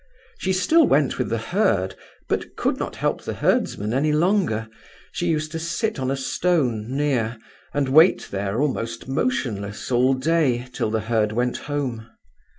She still went with the herd, but could not help the herdsman any longer. She used to sit on a stone near, and wait there almost motionless all day, till the herd went home.